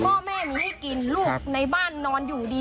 พ่อแม่มีให้กินลูกในบ้านนอนอยู่ดี